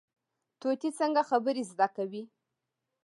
طوطي څنګه خبرې زده کوي؟